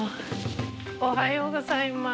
おはようございます。